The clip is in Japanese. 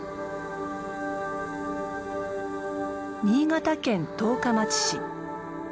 新潟県十日町市。